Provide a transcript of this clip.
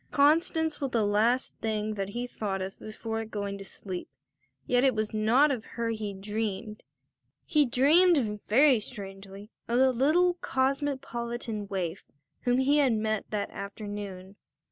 Constance was the last thing that he thought of before going to sleep; yet it was not of her he dreamed. He dreamed, very strangely, of the little cosmopolitan waif whom he had met that afternoon.